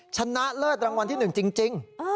ชนะเลิศรางวัลที่๑จริง